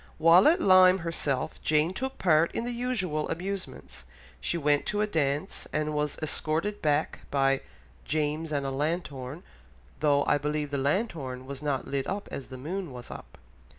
While at Lyme herself, Jane took part in the usual amusements; she went to a dance and was escorted back by "James and a lanthorn, though I believe the lanthorn was not lit as the moon was up."